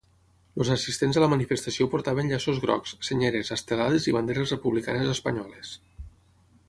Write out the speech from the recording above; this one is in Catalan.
Els assistents a la manifestació portaven llaços grocs, senyeres, estelades i banderes republicanes espanyoles.